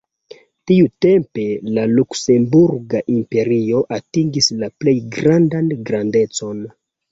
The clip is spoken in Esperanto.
Tiutempe la luksemburga imperio atingis la plej grandan grandecon.